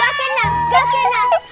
gak kenang gak kenang